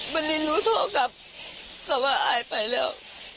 วันนี้หนูโทรกลับแต่ว่าอายไปแล้ว